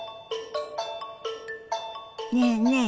ねえねえ